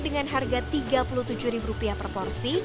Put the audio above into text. dengan harga tiga puluh tujuh ribu rupiah per porsi